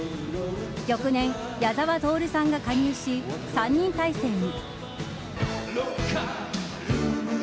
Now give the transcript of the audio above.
翌年、矢沢透さんが加入し３人体制に。